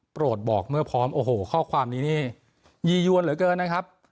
โปรดบอกเมื่อพร้อมโอ้โหข้อความนี้นี่ยียวนเหลือเกินนะครับ